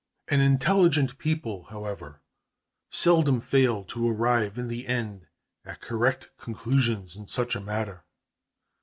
An intelligent people, however, seldom fail to arrive in the end at correct conclusions in such a matter.